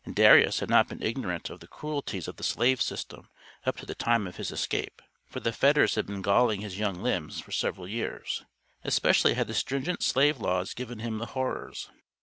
Darius had not been ignorant of the cruelties of the slave system up to the time of his escape, for the fetters had been galling his young limbs for several years; especially had the stringent slave laws given him the horrors.